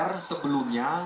website konser sebelumnya